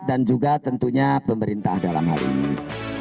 dan juga tentunya pemerintah dalam hal ini